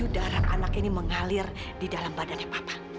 darah anak ini mengalir di dalam badannya papa